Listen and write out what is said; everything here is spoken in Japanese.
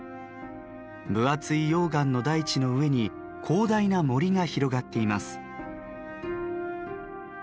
分厚い溶岩の大地の上に広大な森が広がっています。